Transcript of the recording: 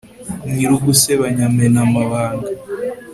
nyir'ugusebanya amena amabanga